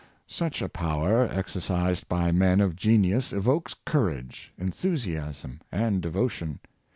*" Such a power, exercised by men of genius, evokes courage, enthusiasm, and devotion.